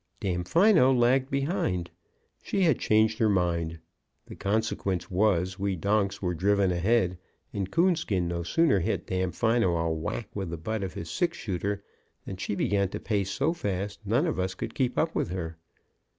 Damfino lagged behind. She had changed her mind. The consequence was, we donks were driven ahead, and Coonskin no sooner hit Damfino a whack with the butt of his six shooter, then she began to pace so fast none of us could keep up with her.